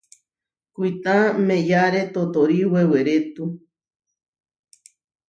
Kuitá meʼyáre totóri wewerétu.